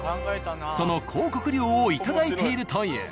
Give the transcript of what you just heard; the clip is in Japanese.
その広告料を頂いているという。